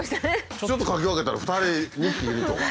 ちょっとかき分けたら２人２匹いるとか。